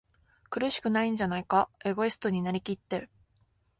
苦しくないんじゃないか？エゴイストになりきって、